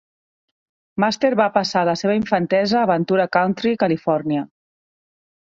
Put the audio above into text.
Master va passar la seva infantesa a Ventura Country, Califòrnia.